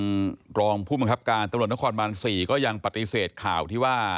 รองผู้บังคับการตำรวจนครบาน๔ก็ยังปฏิเสธข่าวที่ว่า